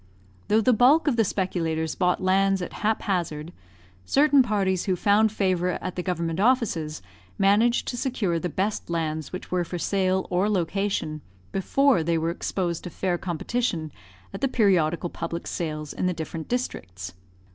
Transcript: Though the bulk of the speculators bought lands at haphazard, certain parties who found favour at the government offices managed to secure the best lands which were for sale or location, before they were exposed to fair competition at the periodical public sales in the different districts.